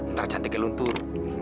ntar cantiknya luntur